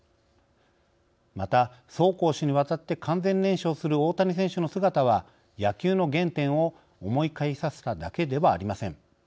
また、走攻守にわたって完全燃焼する大谷選手の姿は野球の原点を思い返させただけではありません。